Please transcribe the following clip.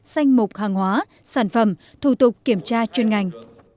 danh mục hàng hóa sản phẩm thủ tục kiểm tra chuyên ngành